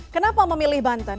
kenapa memilih banten